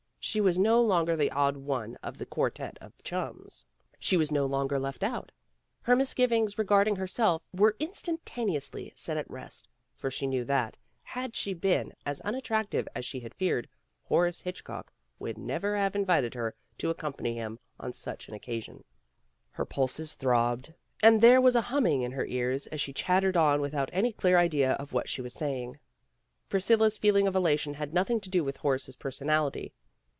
She was no longer the odd one of the quartette of chums. She was no longer left out. Her misgivings regarding herself were instanta neously set at rest, for she knew that, had she been as unattractive as she had feared, Horace Hitchcock would never have invited her to accompany him on such an occasion. Her pulses throbbed, and there was a humming in her ears as she chattered on without any clear idea of what she was saying. Priscilla 's feeling of elation had nothing to do with Horace's personality.